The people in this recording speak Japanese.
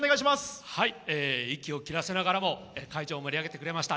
息を切らせながらも会場を盛り上げてくれました